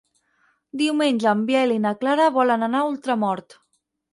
Diumenge en Biel i na Clara volen anar a Ultramort.